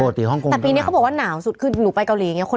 ฮ่องกงแต่ปีนี้เขาบอกว่าหนาวสุดคือหนูไปเกาหลีอย่างนี้